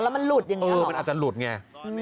แล้วมันหลุดอย่างนี้มันอาจจะหลุดไง